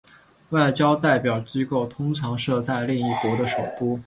外交代表机构通常设在另一国的首都。